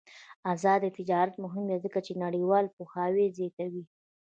آزاد تجارت مهم دی ځکه چې نړیوال پوهاوی زیاتوي.